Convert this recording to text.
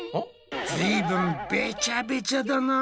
ずいぶんべちゃべちゃだな。